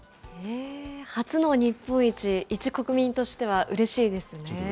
初の日本一、一国民としては、うれしいですね。